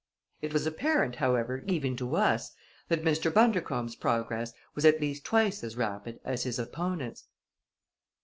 It was apparent, however, even to us, that Mr. Bundercombe's progress was at least twice as rapid as his opponent's.